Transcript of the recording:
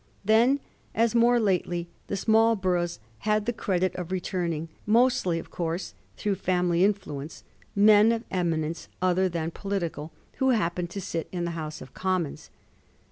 Then, as more lately, the small boroughs had the credit of returning, mostly of course through family influence, men of eminence other than political, who happened to sit in the House of Commons.